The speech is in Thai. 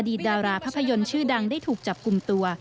ดาราภาพยนตร์ชื่อดังได้ถูกจับกลุ่มตัว